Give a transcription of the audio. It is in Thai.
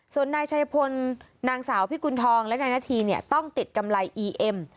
ส่วนนายชัยพลนางสาวพิกุณฑองและนายนาธีเนี่ยต้องติดกำไรอีเอ็ม